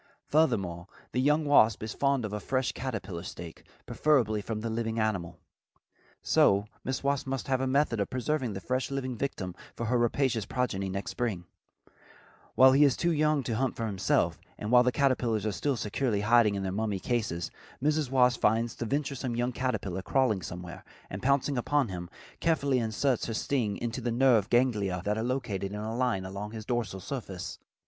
Furthermore, the young wasp is fond of fresh caterpillar steak, preferably from the living animal. So Mrs. Wasp must have a method of preserving the fresh living victim for her rapacious progeny next spring, while he is too young to hunt for himself, and while the caterpillars are still securely hiding in their mummy cases, Mrs. Wasp finds the venturesome young caterpillar crawling somewhere, and pouncing upon him, carefully inserts her sting into the nerve ganglia that are located in a line along his dorsal surface.